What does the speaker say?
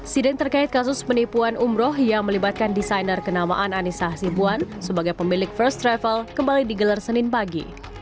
sidang terkait kasus penipuan umroh yang melibatkan desainer kenamaan anissa hasibuan sebagai pemilik first travel kembali digelar senin pagi